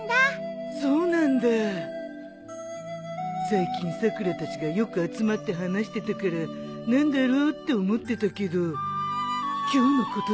最近さくらたちがよく集まって話してたから何だろうって思ってたけど今日のことだったんだ